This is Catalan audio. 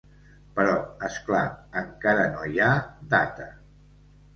Però, és clar, encara no hi ha data.